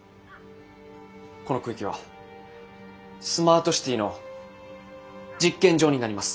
この区域はスマートシティの実験場になります。